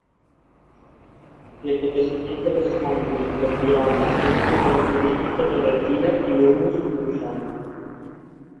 La capacitat de bescanvi catiònic és una característica de l'argila i l'humus d'un sòl.